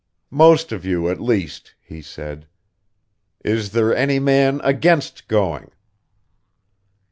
"Most of you, at least," he said. "Is there any man against going?"